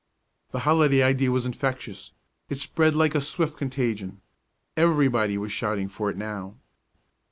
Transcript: The holiday idea was infectious; it spread like a swift contagion. Everybody was shouting for it now.